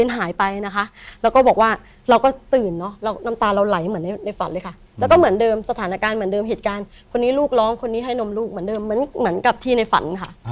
เหมือนกับที่ในฝันค่ะ